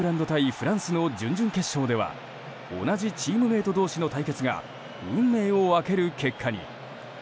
フランスの準々決勝では同じチームメート同士の対決が運命を分ける結果に。